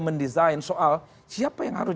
mendesain soal siapa yang harus